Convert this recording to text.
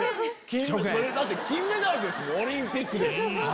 だって金メダルですもんオリンピックで。